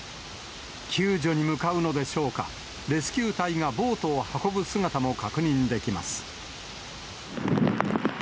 救助に向かうのでしょうか、レスキュー隊がボートを運ぶ姿も確認できます。